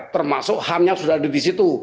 termasuk ham yang sudah ada di situ